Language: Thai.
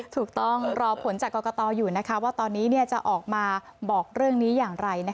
ต้องรอผลจากกรกตอยู่ว่าตอนนี้จะออกมาบอกเรื่องนี้อย่างไร